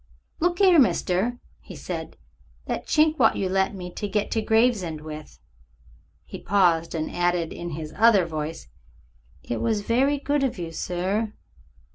"Look 'ere, mister," he said; "that chink wot you lent me to get to Gravesend with." He paused, and added in his other voice, "It was very good of you, sir."